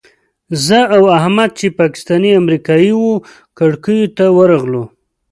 زه او احمد چې پاکستاني امریکایي وو کړکیو ته ورغلو.